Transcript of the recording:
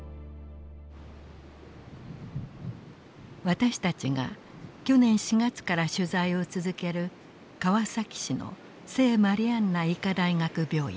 私たちが去年４月から取材を続ける川崎市の聖マリアンナ医科大学病院。